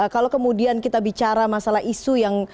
kalau kemudian kita bicara masalah isu yang